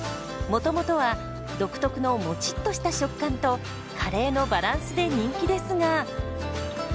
もともとは独特のモチッとした食感とカレーのバランスで人気ですが。